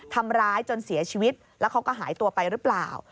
ทำร้ายจนเสียชีวิตแล้วเขาก็หายตัวไปหรือเปล่า